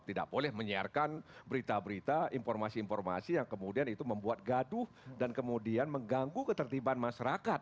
tidak boleh menyiarkan berita berita informasi informasi yang kemudian itu membuat gaduh dan kemudian mengganggu ketertiban masyarakat